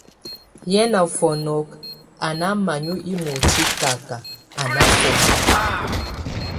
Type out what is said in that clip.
Yé nafɔnɔk a ná manye imoti kakak a náfomak.